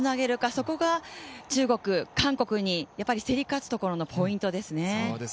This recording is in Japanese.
そこが中国、韓国に競り勝つところのポイントですね。